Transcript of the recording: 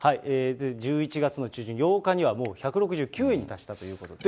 １１月の中旬、８日にはもう１６９円に達したということです。